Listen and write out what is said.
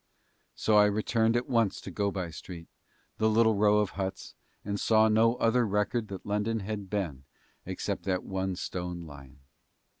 So I returned at once to Go by Street, the little row of huts, and saw no other record that London had been except that one stone lion.